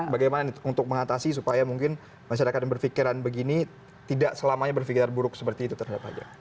bagaimana untuk mengatasi supaya mungkin masyarakat yang berpikiran begini tidak selamanya berpikir buruk seperti itu terhadap aja